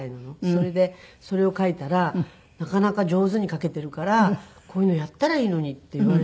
それでそれを書いたら「なかなか上手に書けているからこういうのをやったらいいのに」って言われて。